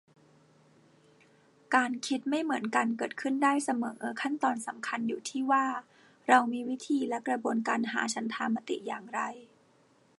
การคิดไม่เหมือนกันเกิดขึ้นได้เสมอ ขั้นตอนสำคัญอยู่ที่ว่า เรามีวิธีและกระบวนการหาฉันทามติอย่างไร